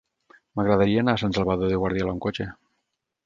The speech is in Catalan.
M'agradaria anar a Sant Salvador de Guardiola amb cotxe.